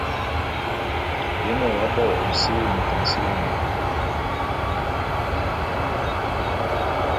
Ye nne w'abo ô sili'i môt minsili ana?